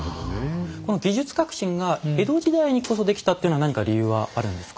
この技術革新が江戸時代にこそできたっていうのは何か理由はあるんですか？